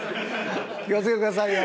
気を付けてくださいよ。